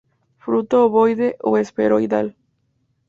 Fruto ovoide o esferoidal.